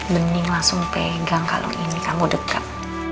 bening langsung pegang kalau ini kamu degap